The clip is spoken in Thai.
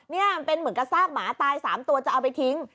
นี่มันเป็นเหมือนกับซากหมาตาย๓ตัวจะเอาไปทิ้ง